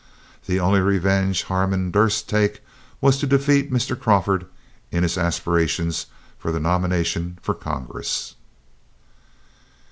The only revenge Harmon durst take was to defeat Mr. Crawford in his aspirations for a nomination for Congress.